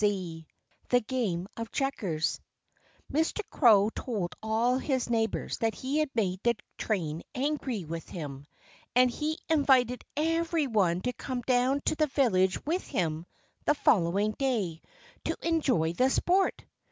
XIII THE GAME OF CHECKERS Mr. Crow told all his neighbors that he had made the train angry with him. And he invited everyone to come down to the village with him the following day, to enjoy the sport.